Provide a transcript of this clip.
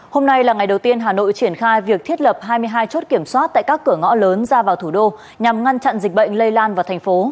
hôm nay là ngày đầu tiên hà nội triển khai việc thiết lập hai mươi hai chốt kiểm soát tại các cửa ngõ lớn ra vào thủ đô nhằm ngăn chặn dịch bệnh lây lan vào thành phố